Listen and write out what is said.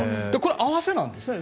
これ、合わせなんですね。